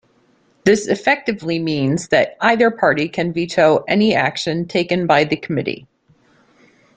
This effectively means that either party can veto any action taken by the committee.